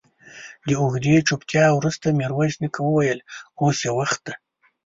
له اوږدې چوپتيا وروسته ميرويس نيکه وويل: اوس يې وخت دی.